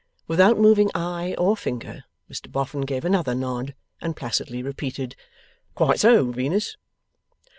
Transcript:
Without moving eye or finger, Mr Boffin gave another nod, and placidly repeated, 'Quite so, Venus.